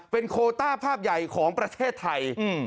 เป็นโคต้าภาพใหญ่ของประเทศไทย